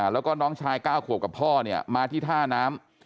แล้วก็น้องชาย๙ขวบกับพ่อเนี่ยมาที่ท่าน้ำ